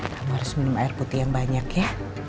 kamu harus minum air putih yang banyak ya